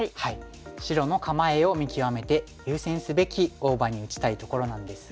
白の構えを見極めて優先すべき大場に打ちたいところなんですが。